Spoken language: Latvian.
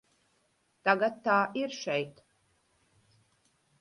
Tagad tā ir šeit.